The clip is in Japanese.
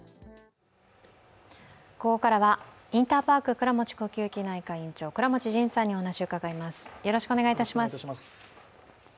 ここからはインターパーク倉持呼吸器内科院長倉持仁さんにお話を伺います。